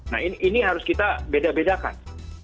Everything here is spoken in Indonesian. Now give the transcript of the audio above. nah ini harus kita beda bedakan